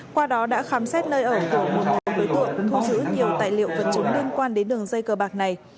qua đó đã khám xét nơi ở của một nhóm đối tượng thu giữ nhiều tài liệu vật chứng liên quan đến đường dây cờ bạc này